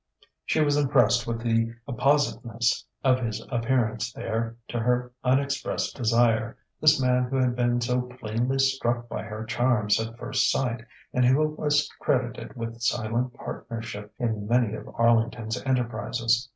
She was impressed with the appositeness of his appearance there to her unexpressed desire, this man who had been so plainly struck by her charms at first sight and who was credited with silent partnership in many of Arlington's enterprises.